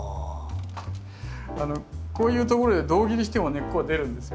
こういうところで胴切りしても根っこは出るんですよ。